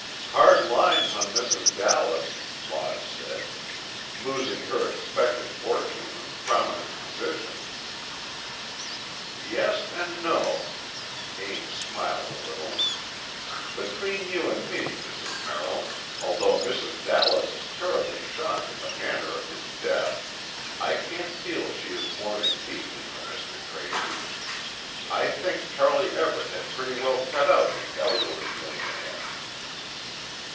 "Hard lines on Mrs. Dallas," Maud said, "losing her expected fortune and prominent position." "Yes, and no." Ames smiled a little. "Between you and me, Mrs. Merrill, though Mrs. Dallas is terribly shocked at the manner of his death, I can't feel she is mourning deeply for Mr. Tracy. I think Charlie Everett had pretty well cut out the elderly millionaire."